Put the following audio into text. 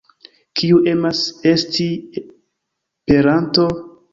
Kiu emas esti peranto?